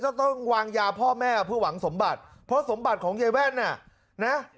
ต้องต้องวางยาพ่อแม่เพื่อหวังสมบัติเพราะสมบัติของยายแว่นน่ะนะ